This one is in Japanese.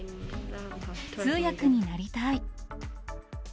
通訳になりたい。